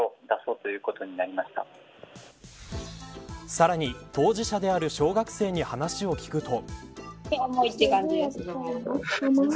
さらに当事者である小学生に話を聞くと。